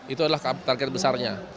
itu adalah target besarnya